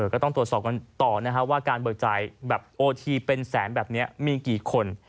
ก็ต้องตรวจสอบกันต่อนะครับว่าการเบิกจ่ายแบบโอทีเป็นแสนแบบนี้มีกี่คน